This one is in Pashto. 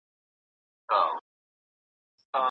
چي د لوږي ږغ یې راغی له لړمونه